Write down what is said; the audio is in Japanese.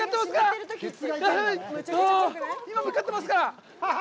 ああ今、向かってますから。